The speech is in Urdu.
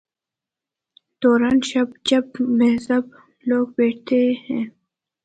دوران شب جب مہذب لوگ بیٹھتے ہیں۔